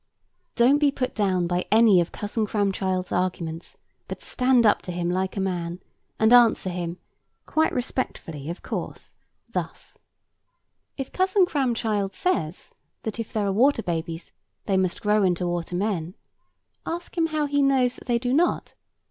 Don't be put down by any of Cousin Cramchild's arguments, but stand up to him like a man, and answer him (quite respectfully, of course) thus:— If Cousin Cramchild says, that if there are water babies, they must grow into water men, ask him how he knows that they do not?